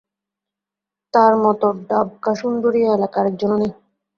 তার মতো ডাবকা সুন্দরী এই এলাকায় আর একজনও নেই।